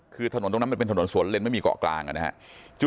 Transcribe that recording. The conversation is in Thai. คือถนนตรงนั้นมันเป็นถนนสวนเล่นไม่มีเกาะกลางนะครับ